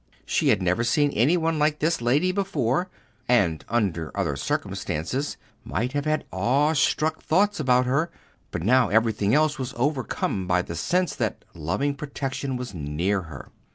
She had never seen any one like this lady before, and under other circumstances might have had awestruck thoughts about her; but now everything else was overcome by the sense that loving protection was near her.